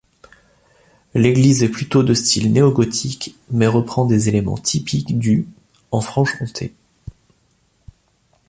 L'église est plutôt de style néo-gothique, mais reprend des éléments typiques du en Franche-Comté.